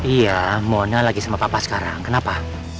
iya mona lagi sama papa sekarang kenapa